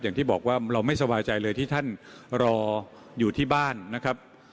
อย่างที่บอกว่าเราไม่สบายใจเลยที่ท่านรออยู่ที่บ้านนะครับ